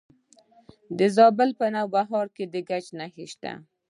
د زابل په نوبهار کې د ګچ نښې شته.